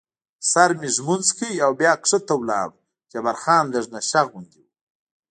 سر مې ږمنځ کړ او بیا کښته ولاړو، جبار خان لږ نشه غوندې و.